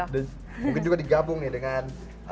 mungkin juga digabung nih dengan